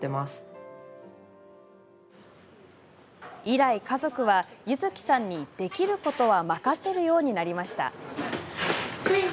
以来、家族は柚希さんにできることは任せるようになりました。